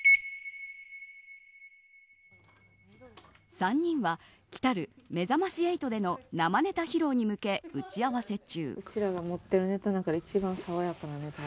３人は来るめざまし８での生ネタ披露に向け打ち合わせ中。